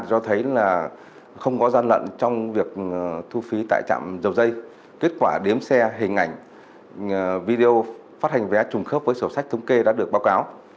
do thấy là không có gian lận trong việc thu phí tại trạm dầu dây kết quả đếm xe hình ảnh video phát hành vé trùng khớp với sổ sách thống kê đã được báo cáo